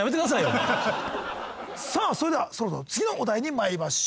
さあそれではそろそろ次のお題にまいりましょう！